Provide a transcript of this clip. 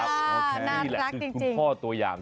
น่ารักจริงนี่แหละคุณพ่อตัวอย่าง